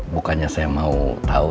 bukannya saya mau tau